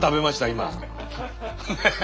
今。